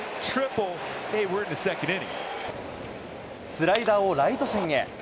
スライダーをライト線へ。